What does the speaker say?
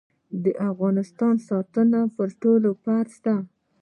د افغانستان ساتنه د ټولو فرض دی